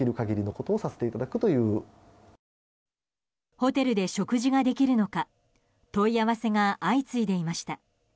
ホテルで食事ができるのか問い合わせが相次いでいました。